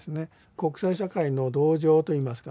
国際社会の同情といいますかね